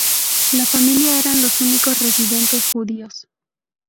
La familia eran los únicos residentes judíos.